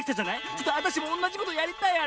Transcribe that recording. ちょっとあたしもおんなじことやりたいあれ。